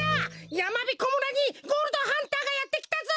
やまびこ村にゴールドハンターがやってきたぞ！